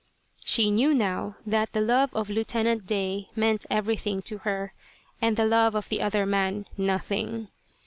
She knew now that the love of Lieutenant Day meant everything to her, and the love of the other man nothing.